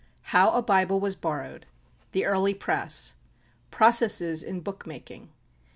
How a Bible was borrowed. The Early Press. Processes in Bookmaking.